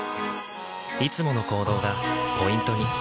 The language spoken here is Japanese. いつもの行動がポイントに。